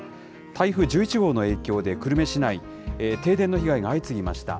台風１１号の影響で久留米市内、停電の被害が相次ぎました。